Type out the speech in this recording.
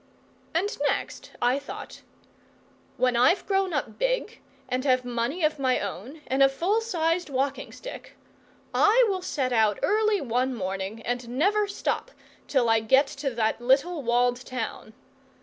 And next I thought, "When I've grown up big, and have money of my own, and a full sized walking stick, I will set out early one morning, and never stop till I get to that little walled town."